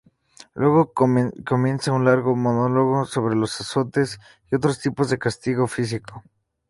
Luego comienza un largo monólogo sobre los azotes y otros tipos de castigo físico.